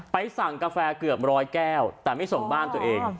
สั่งกาแฟเกือบร้อยแก้วแต่ไม่ส่งบ้านตัวเอง